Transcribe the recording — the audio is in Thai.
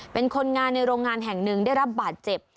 เป็นคนงานในโรงงานแห่งหนึ่งได้รับบาดเจ็บ